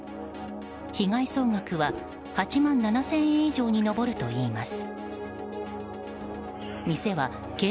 被害総額は８万７０００円以上に上るといいます。